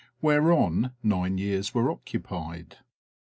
whereon nine years were occupied.